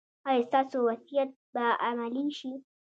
ایا ستاسو وصیت به عملي شي؟